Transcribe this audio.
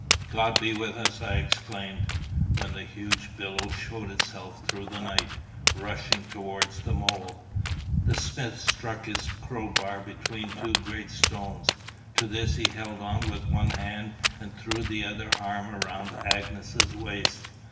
"God be with us!" I exclaimed, when the huge billow showed itself through the night, rushing towards the mole. The smith stuck his crowbar between two great stones. To this he held on with one hand, and threw the other arm round Agnes's waist.